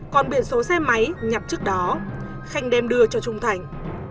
còn biển số xe máy nhặt trước đó khanh đem đưa cho trung thành